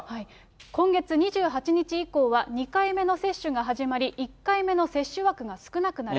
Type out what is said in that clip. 今月２８日以降は、２回目の接種が始まり、１回目の接種枠が少なくなる。